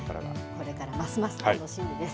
これからますます楽しみです。